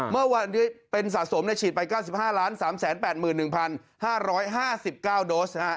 เมื่อวันที่เป็นสะสมฉีดไป๙๕๓๘๑๕๕๙โดส